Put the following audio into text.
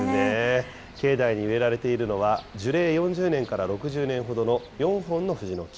境内に植えられているのは、樹齢４０年から６０年ほどの４本の藤の木。